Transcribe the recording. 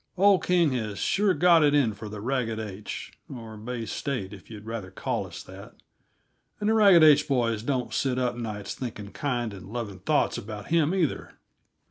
Old King has sure got it in for the Ragged H or Bay State, if yuh'd rather call us that; and the Ragged H boys don't sit up nights thinking kind and loving thoughts about him, either.